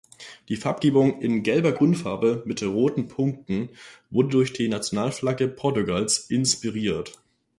Die Farbgebung in gelber Grundfarbe mit roten Punkten wurde durch die Nationalflagge Portugals inspiriert.